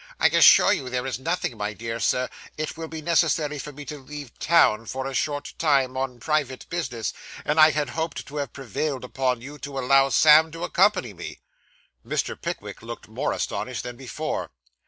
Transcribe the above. I assure you there is nothing, my dear sir. It will be necessary for me to leave town, for a short time, on private business, and I had hoped to have prevailed upon you to allow Sam to accompany me.' Mr. Pickwick looked more astonished than before.